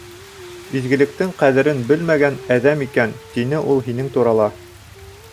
Изгелектең ҡәҙерен белмәгән әҙәм икән, тине ул һинең турала.